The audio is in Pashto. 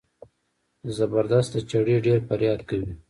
د زبردست د چړې ډېر فریاد کوي.